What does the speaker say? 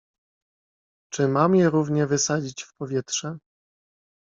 "Czy mam je równie wysadzić w powietrze?"